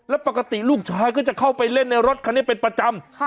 แล้วปกติลูกชายก็จะเข้าไปเล่นในรถคันนี้เป็นประจำ